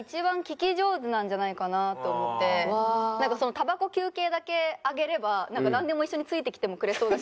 たばこ休憩だけあげればなんでも一緒についてきてもくれそうだし。